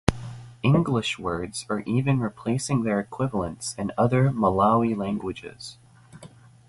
English words are even replacing their equivalents in other Malawi languages.